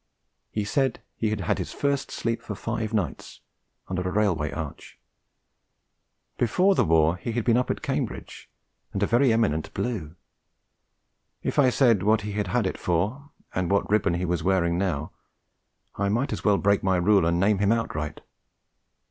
He said he had had his first sleep for five nights under a railway arch. Before the war he had been up at Cambridge, and a very eminent Blue; if I said what he had it for, and what ribbon he was wearing now, I might as well break my rule and name him outright.